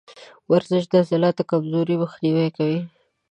ورزش د عضلاتو کمزوري مخنیوی کوي.